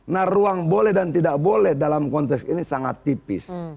nah ruang boleh dan tidak boleh dalam konteks ini sangat tipis